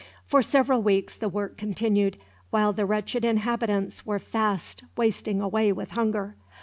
For several weeks the work continued, while the wretched inhabitants were fast wasting away with hunger.